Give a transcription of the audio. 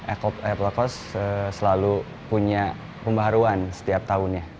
apple coast selalu punya pembaharuan setiap tahunnya